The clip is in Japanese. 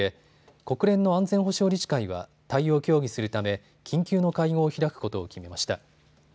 国連の安全保障理事会は対応を協議するため緊急の会合を開くことを決めました。